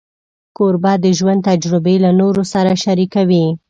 کوربه د ژوند تجربې له نورو سره شریکوي.